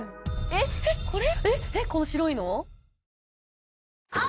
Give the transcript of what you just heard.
えっ？これ？